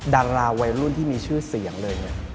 ดาราวัยรุ่นที่มีชื่อเสียงเลย